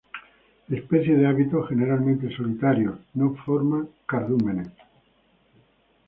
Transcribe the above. Especie de hábitos generalmente solitarios, no forma cardúmenes.